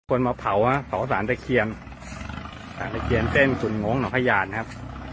คนมาเผาฮะเผาสารสะเคียงสารสะเคียงเต้นสุ่มงงหนอพญาณครับ